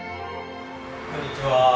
こんにちは。